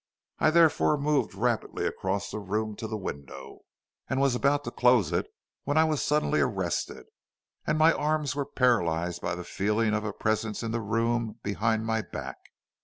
I therefore moved rapidly across the room to the window, and was about to close it when I was suddenly arrested, and my arms were paralyzed by the feeling of a presence in the room behind my back.